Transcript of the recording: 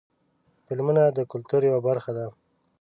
فلمونه د کلتور یوه برخه ده.